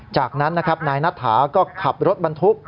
จากนั้นนะครับนายนัทถาก็ขับรถบรรทุก